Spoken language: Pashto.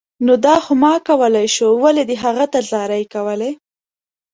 نو دا خو ما کولای شو، ولې دې هغه ته زارۍ کولې